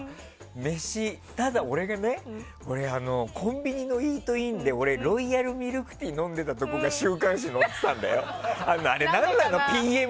ただ俺がコンビニのイートインで俺、ロイヤルミルクティーを飲んでたところが週刊誌に載ってたんだよ？